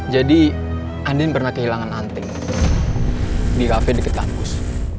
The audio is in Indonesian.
jadi andin pernah kehilangan anting di kafe deket ampus